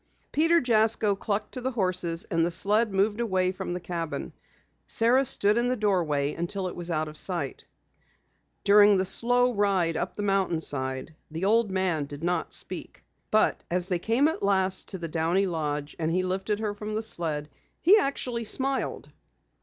Peter Jasko clucked to the horses, and the sled moved away from the cabin. Sara stood in the doorway until it was out of sight. During the slow ride up the mountain side, the old man did not speak. But as they came at last to the Downey lodge, and he lifted her from the sled, he actually smiled.